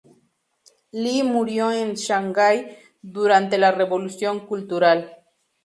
Li murió en Shanghai durante la Revolución Cultural.